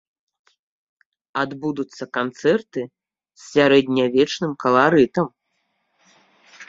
Адбудуцца канцэрты з сярэднявечным каларытам.